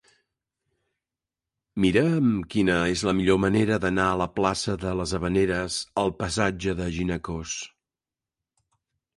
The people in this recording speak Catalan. Mira'm quina és la millor manera d'anar de la plaça de les Havaneres al passatge de Ginecòs.